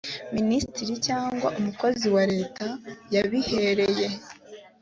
minisitiri cyangwa umukozi wa leta yabihereye